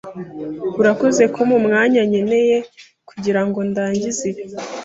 Urakoze kumpa umwanya nkeneye kugirango ndangize ibi.